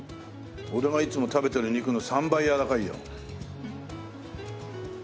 俺がいつも食べてる肉の３倍やわらかいよ。